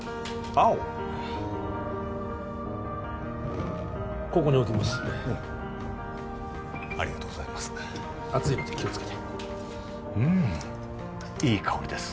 オーここに置きますねうんありがとうございます熱いので気をつけてうんいい香りです